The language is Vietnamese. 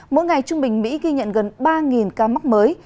mỗi ngày trung bình mỹ ghi nhận gần ba ca mắc mới